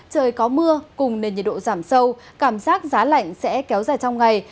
trời có mưa cùng nền nhiệt độ giảm sâu cảm giác giá lạnh sẽ kéo dài trong ngày